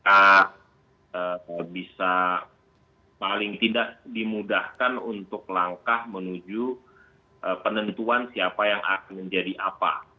a bisa paling tidak dimudahkan untuk langkah menuju penentuan siapa yang akan menjadi apa